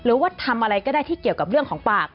หรือว่าทำอะไรก็ได้ที่เกี่ยวกับเรื่องของปาก